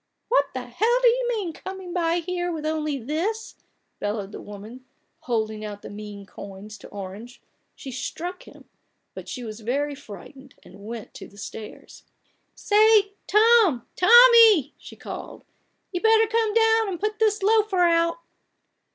" What the hell do you mean by coming here with only this !" bellowed the woman, holding out the mean coins to Orange. She struck him ; but she was very frightened, and went to the stairs. THE BARGAIN OF RUPERT ORANGE. 57 "Say! Tom — Tommy," she called; "you'd better come down and put this loafer out